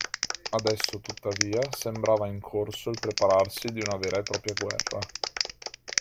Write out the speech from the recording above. Adesso tuttavia sembrava in corso il prepararsi di una vera e propria guerra.